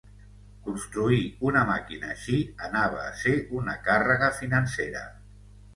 Construir una màquina així anava a ser una càrrega financera.